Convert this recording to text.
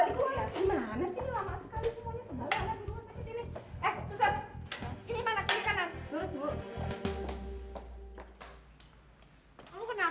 aduh ini suset saya tuh mau keluar coba di keluar